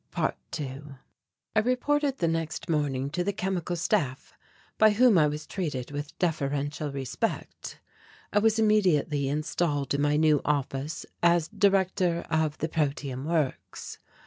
~2~ I reported the next morning to the Chemical Staff, by whom I was treated with deferential respect. I was immediately installed in my new office, as Director of the Protium Works.